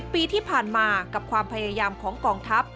ปีที่ผ่านมากับความพยายามของกองทัพ